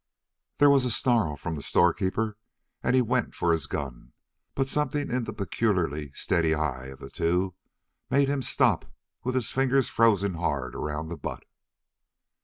There was a snarl from the storekeeper, and he went for his gun, but something in the peculiarly steady eyes of the two made him stop with his fingers frozen hard around the butt.